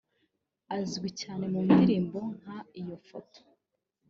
Azwi cyane mu ndirimbo nka “Iyo Foto”